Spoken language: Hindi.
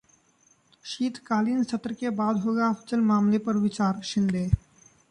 शीतकालीन सत्र के बाद होगा अफजल मामले पर विचार: शिंदे